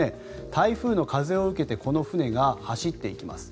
台風の風を受けてこの船が走っていきます。